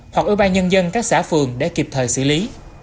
hoặc ủy ban nhân dân các xã phường để kịp thời xử lý